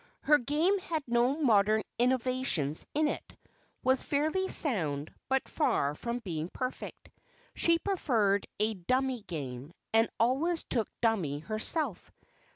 Her game had no modern innovations in it, was fairly sound, but far from being perfect. She preferred a "dummy" game, and always took dummy herself.